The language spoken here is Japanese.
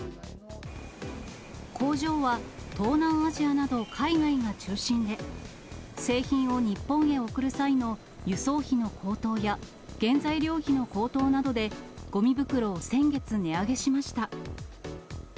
工場は東南アジアなど海外が中心で、製品を日本へ送る際の輸送費の高騰や、原材料費の高騰などで、ごみ袋を先月値上げしました。